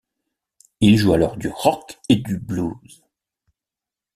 Il joue alors du rock et du blues.